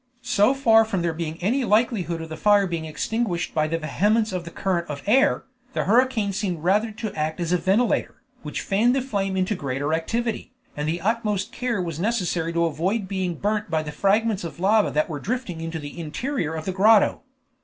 So far from there being any likelihood of the fire being extinguished by the vehemence of the current of air, the hurricane seemed rather to act as a ventilator, which fanned the flame into greater activity, and the utmost care was necessary to avoid being burnt by the fragments of lava that were drifted into the interior of the grotto.